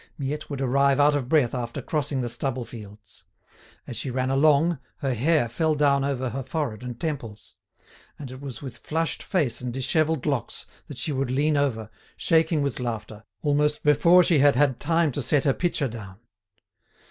Miette would arrive out of breath after crossing the stubble fields; as she ran along, her hair fell down over her forehead and temples; and it was with flushed face and dishevelled locks that she would lean over, shaking with laughter, almost before she had had time to set her pitcher down.